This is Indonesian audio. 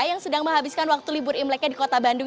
yang sedang menghabiskan waktu libur imleknya di kota bandung